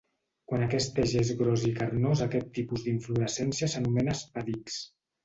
Quan aquest eix és gros i carnós aquest tipus d'inflorescència s'anomena espàdix.